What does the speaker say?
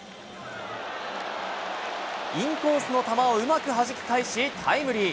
インコースの球をうまくはじき返し、タイムリー。